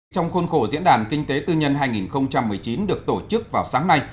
trong khuôn khổ diễn đàn kinh tế tư nhân hai nghìn một mươi chín được tổ chức vào sáng nay